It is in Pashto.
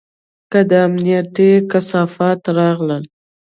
که دا امنيتي کثافات راغله.